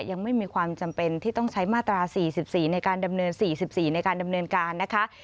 ยังไม่มีความจำเป็นที่ต้องใช้มาตรา๔๔ในการดำเนิน๔๔ในการดำเนินการนะคะ